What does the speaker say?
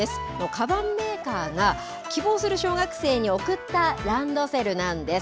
かばんメーカーが希望する小学生に送ったランドセルなんです。